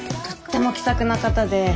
とっても気さくな方で。